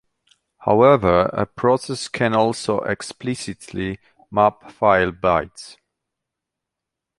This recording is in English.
However, a process can also explicitly map file bytes.